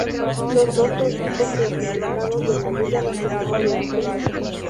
Los doce equipos clasificados de la Liga Nacional de Ascenso